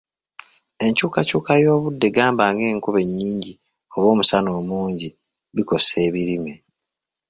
Enkyukakyuka y’obudde gamba ng’enkuba ennyingi oba omusana omungi bikosa ebirime.